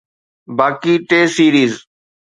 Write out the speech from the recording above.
باقي T series